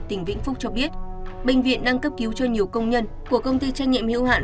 tỉnh vĩnh phúc cho biết bệnh viện đang cấp cứu cho nhiều công nhân của công ty trách nhiệm hữu hạn